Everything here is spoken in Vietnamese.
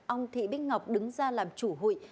ông thị bích ngọc đứng ra làm chủ hụi